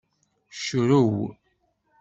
Crew.